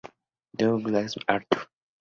Douglas MacArthur.